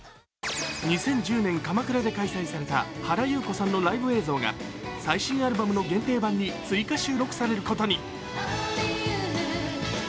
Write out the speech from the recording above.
２０１０年、鎌倉で開催された原由子さんのライブ映像が最新アルバムの限定版に追加収録されることに。